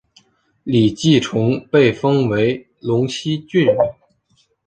李继崇被封为陇西郡王。